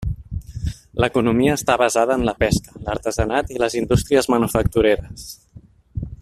L'economia està basada en la pesca, l'artesanat i les indústries manufactureres.